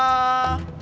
sampai jumpa lagi